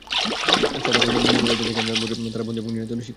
সাদা কাফনে মোড়া এঁদের দেখেই আমরা বুঝি—তাঁরা বন্দী এবং নির্যাতনের শিকার।